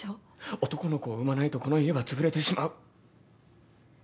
男の子を産まないとこの家はつぶれてしまう。